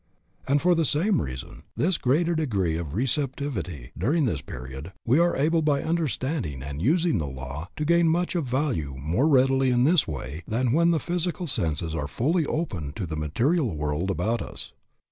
And for the same reason, this greater degree of receptivity during this period, we are able by understanding and using the law, to gain much of value more readily in this way than when the physical senses are fully open to the material world about us.